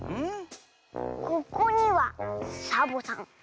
ここにはサボさん